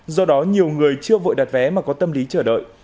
do đó nhiều người chưa vội đặt vé mà có tâm lý chờ đợi